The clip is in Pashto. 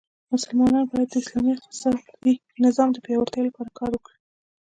مسلمانان باید د اسلام اقتصادې نظام د پیاوړتیا لپاره کار وکړي.